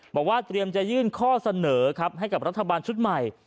บอกว่าเตรียมจะยื่นข้อเสนอครับให้กับรัฐบาลชุดใหม่